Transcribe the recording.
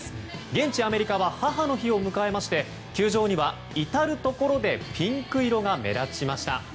現地アメリカは母の日を迎えまして球場には至るところでピンク色が目立ちました。